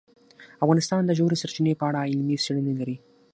افغانستان د ژورې سرچینې په اړه علمي څېړنې لري.